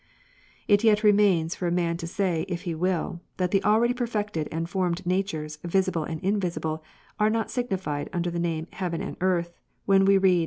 It yet remains for a man to say, if he will, " that the already perfected and formed natures, visible and invisible, are not signified under the name of heaven and earth, when we read.